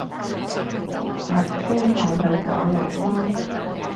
莫非係去九龍灣